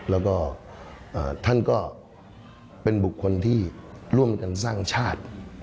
แล้วก็ท่านก็เป็นบุคคลที่ร่วมกันสร้างชาติ